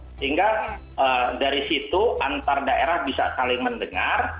sehingga dari situ antar daerah bisa saling mendengar